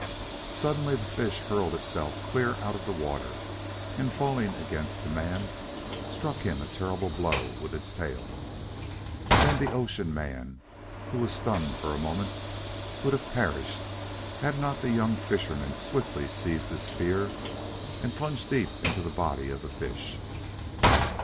Suddenly, the fish hurled itself clear out of the water, and falling against the man, struck him a terrible blow with its tail. Then the ocean man, who was stunned for a moment, would have perished, had not the young fisherman swiftly seized his spear and plunged deep into the body of the fish.